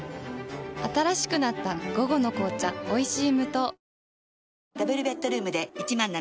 新しくなった「午後の紅茶おいしい無糖」